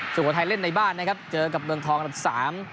สุโขทัยเล่นในบ้านนะครับเจอกับเมืองทองอันดับสาม